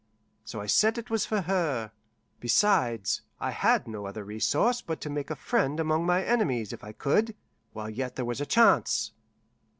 So I said it was for her. Besides, I had no other resource but to make a friend among my enemies, if I could, while yet there was a chance.